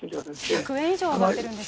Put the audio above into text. １００円以上、上がってるんですね。